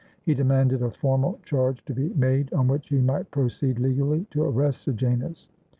He demanded a formal charge to be made on which he might proceed legally to arrest Sejanus.